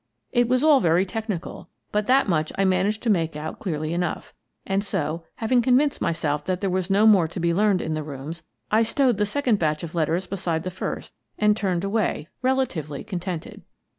It was all very technical, but that much I man aged to make out clearly enough, and so, having convinced myself that there was no more to be learned in the rooms, I stowed the second batch of letters beside the first and turned away, relatively contented.